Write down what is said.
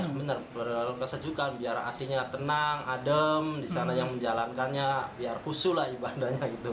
iya benar berlalu kesejukan biar hatinya tenang adem disananya menjalankannya biar husu lah ibadahnya gitu